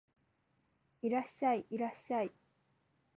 いらっしゃい、いらっしゃい